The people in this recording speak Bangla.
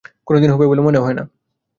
কোনোদিন হবে বলেও মনে হয় না।